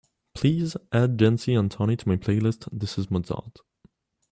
Please add Jency Anthony to my playlist This Is Mozart